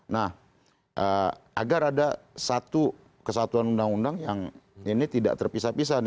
nah agar ada satu kesatuan undang undang yang ini tidak terpisah pisah